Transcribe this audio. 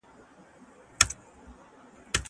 زه اوږده وخت لوښي وچوم وم!